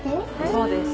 そうです。